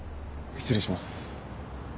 失礼します。